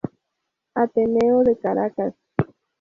Ateneo de Caracas.